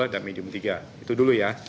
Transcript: dan medium tiga itu dulu ya